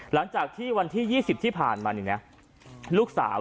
หลังจากที่วันที่๒๐ที่ผ่านมาลูกสาว